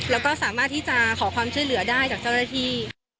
แล้วก็สามารถที่จะขอความช่วยเหลือได้จากเจ้าหน้าที่